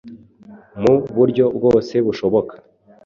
mu buryo bwose bushoboka.